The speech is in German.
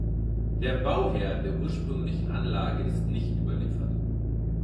Der Bauherr der ursprünglichen Anlage ist nicht überliefert.